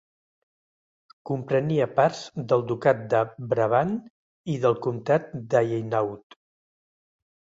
Comprenia parts del ducat de Brabant i del comtat d'Hainaut.